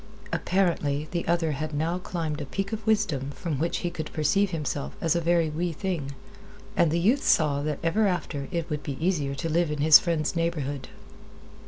Apparently, the other had now climbed a peak of wisdom from which he could perceive himself as a very wee thing. And the youth saw that ever after it would be easier to live in his friend's neighborhood.